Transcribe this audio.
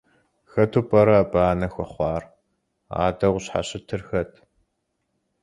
Хэту пӏэрэ абы анэ хуэхъуар, адэу къыщхьэщытыр хэт?